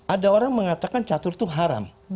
ada orang mengatakan catur itu haram